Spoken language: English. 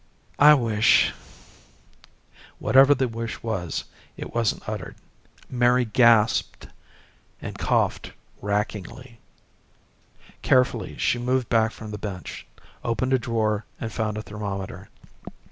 I wish " Whatever the wish was, it wasn't uttered. Mary gasped and coughed rackingly. Carefully she moved back from the bench, opened a drawer and found a thermometer.